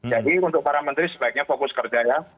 untuk para menteri sebaiknya fokus kerja ya